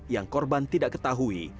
yang korban tidak ketahui